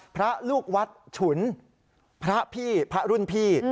พระลูกวัดฉุนพระพี่พระรุ่นพี่